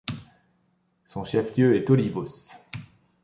Son chef-lieu est Olivos.